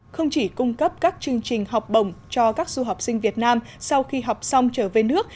không chỉ cung cấp các chương trình học bổng cho các du học sinh việt nam sau khi học xong trở về nước